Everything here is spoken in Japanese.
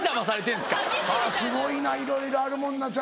はぁすごいないろいろあるもんなんですね。